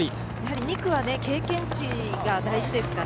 ２区は経験値が大事ですから。